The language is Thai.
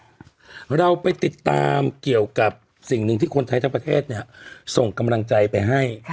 เราไปติดตามเกี่ยวกับสิ่งหนึ่งที่คนไทยทั้งประเทศเนี่ยส่งกำลังใจไปให้